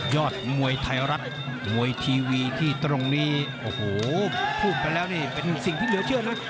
อดมวยไทยรัฐมวยทีวีที่ตรงนี้โอ้โหพูดไปแล้วนี่เป็นสิ่งที่เหลือเชื่อนะ